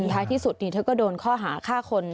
ท้ายที่สุดเธอก็โดนข้อหาฆ่าคน